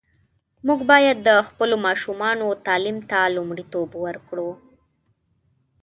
موږ باید د خپلو ماشومانو تعلیم ته لومړیتوب ورکړو.